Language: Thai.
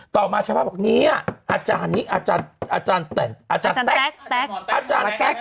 ต่อมาชาวบ้านบอกเนี่ยอาจารย์นี้อาจารย์แต่นอาจารย์แป๊ก